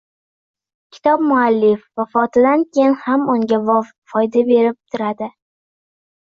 Kitob muallif vafotidan keyin ham unga foyda keltirib turadi.